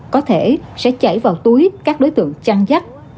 có thể sẽ chảy vào túi các đối tượng chăn dắt